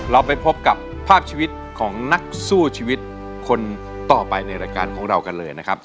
เราไปพบกับภาพชีวิตของนักสู้ชีวิตคนต่อไปในรายการของเรากันเลยนะครับ